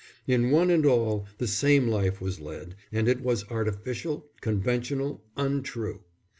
In one and all the same life was led; and it was artificial, conventional, untrue.